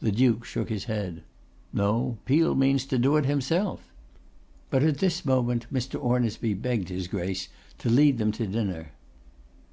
The Duke shook his head. 'No; Peel means to do it himself.' But at this moment Mr. Ornisby begged his Grace to lead them to dinner.